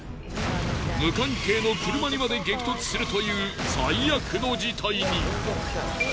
無関係の車にまで激突するという最悪の事態に。